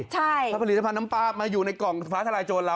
ถ้าผลิตภัณฑ์น้ำปลามาอยู่ในกล่องฟ้าทลายโจรเรา